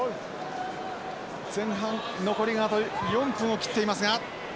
前半残りがあと４分を切っていますが。